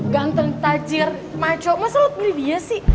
ganteng tajir maco masa lo pilih dia sih